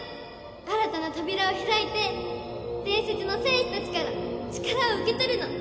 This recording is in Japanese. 新たな扉を開いて伝説の戦士たちから力を受け取るの。